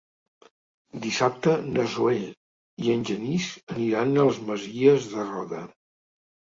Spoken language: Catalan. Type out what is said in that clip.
Dissabte na Zoè i en Genís aniran a les Masies de Roda.